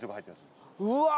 うわ！